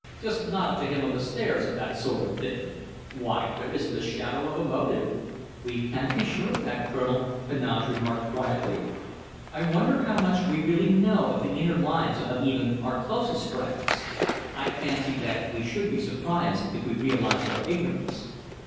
Just nodded to him on the stairs, and that sort of thing. Why, there isn't a shadow of a motive!" "We can't be sure of that, Colonel," Heneage remarked quietly. "I wonder how much we really know of the inner lives of even our closest friends? I fancy that we should be surprised if we realized our ignorance!"